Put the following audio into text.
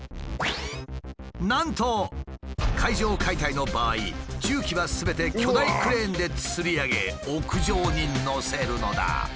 なんと階上解体の場合重機はすべて巨大クレーンでつり上げ屋上に載せるのだ。